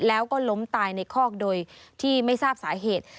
แล้วก็ล้มตายในคอกโดยที่ไม่ทราบสาเหตุ